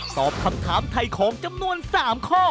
ตอบคำถามไถ่ของจำนวน๓ข้อ